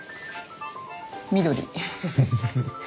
緑。